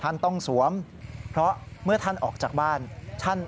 ท่านต้องสวมเพราะเมื่อท่านออกจากบ้านท่าน